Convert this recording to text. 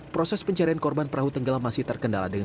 proses pencarian korban perahu tenggelam masih terkendala dengan